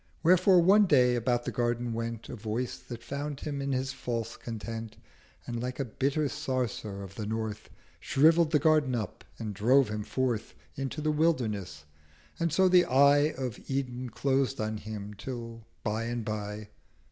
Wherefore one Day about the Garden went A voice that found him in his false Content, And like a bitter Sarsar of the North Shrivell'd the Garden up, and drove him forth Into the Wilderness: and so the Eye Of Eden closed on him till by and by.